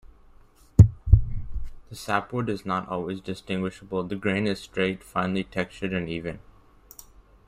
The sapwood is not always distinguishable The grain is straight, finely textured and even.